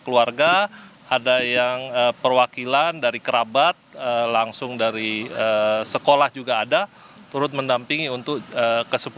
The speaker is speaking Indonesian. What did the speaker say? keluarga ada yang perwakilan dari kerabat langsung dari sekolah juga ada turut mendampingi untuk ke sepuluh